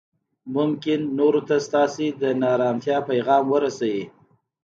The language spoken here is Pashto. ممکن نورو ته ستاسې د نا ارامتیا پیغام ورسوي